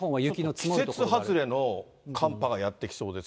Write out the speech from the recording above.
季節外れの寒波がやって来そうです。